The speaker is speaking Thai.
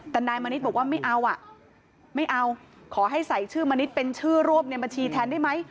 แต่นายมณิดบอกว่าไม่เอาขอให้ใส่ชื่อมณิดเป็นชื่อร่วมในบัญชีแทนได้ไหม